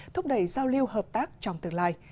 thúc đẩy giao lưu hợp tác trong tương lai